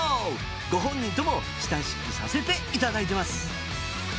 ご本人とも親しくさせていただいてます。